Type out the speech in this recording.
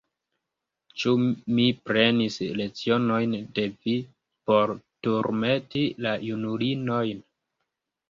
Ĉu mi prenis lecionojn de vi por turmenti la junulinojn?